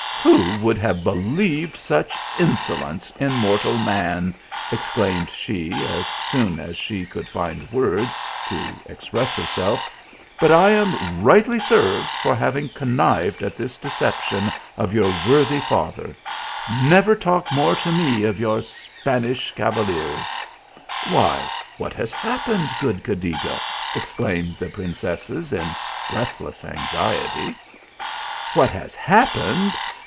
" Who would have believed such insolence in mortal man ?" exclaimed she, as soon as she could find words to express herself; " but I am rightly served for having connived at this deception of your worthy father never talk more to me of your Span ish cavaliers." " Why, what has happened, good Cadiga ?" ex claimed the princesses, in breathless anxiety. "What has happened